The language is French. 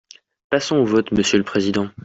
Passons au vote, monsieur le président.